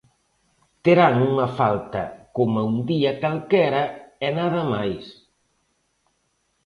Terán unha falta coma un día calquera e nada máis.